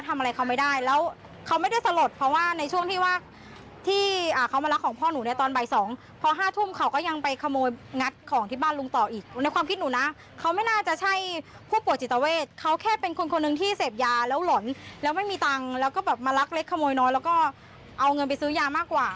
มารักเล็กขโมยน้อยแล้วก็เอาเงินไปซื้อยามากกว่า